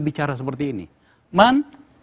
bicara seperti ini man